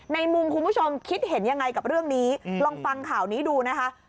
ในมุมคุณผู้ชมคิดเห็นยังไงกับเรื่องนี้ลองฟังข่าวนี้ดูนะคะ